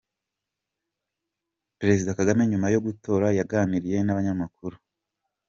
Perezida Kagame nyuma yo gutora yaganiriye n’abanyamakuru.